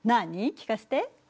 聞かせて。